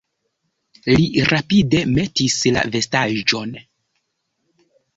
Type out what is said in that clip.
Li rapide metis la vestaĵon.